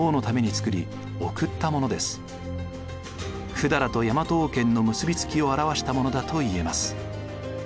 百済と大和王権の結びつきを表したものだといえます。